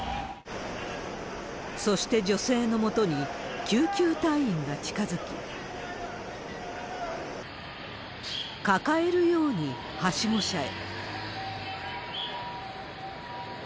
そして女性のもとに、救急隊員が近づき、抱えるようにはしご車へ。